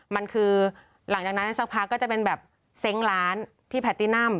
มันคือหลังจากนั้นสักพักก็จะเป็นแบบเซ้งร้านที่แพตตินัม